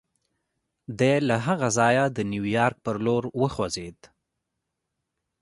دی له هغه ځایه د نیویارک پر لور وخوځېد